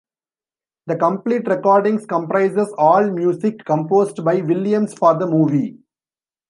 The complete recordings comprises all music composed by Williams for the movie.